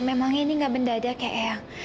memang ini gak benda ada kayak ayang